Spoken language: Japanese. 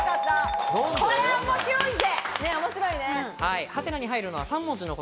これは面白いぜ。